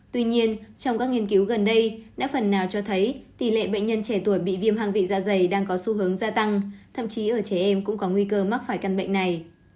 tuy nhiên trong các nghiên cứu gần đây đã phần nào cho thấy tỷ lệ bệnh nhân trẻ tuổi bị viêm hăng vị da dày đang có xu hướng gia tăng thậm chí ở trẻ em cũng có nguy cơ mắc phải căn bệnh này